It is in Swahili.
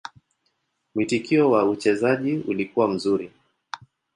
Mwitikio kwa uchezaji ulikuwa mzuri.